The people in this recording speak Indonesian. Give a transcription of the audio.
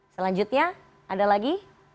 selanjutnya ada lagi